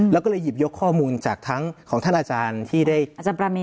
แล้วก็เลยหยิบยกข้อมูลจากท่านอาจารย์ที่ได้